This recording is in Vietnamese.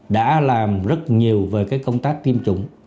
đã làm rất nhiều về công tác tiêm chủng